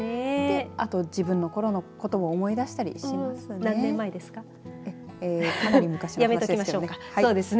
あと自分のころのことを思い出したりしますね。